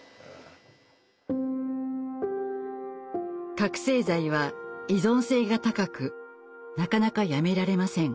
覚せい剤は依存性が高くなかなかやめられません。